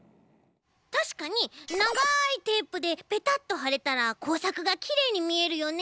たしかにながいテープでペタッとはれたらこうさくがきれいにみえるよね。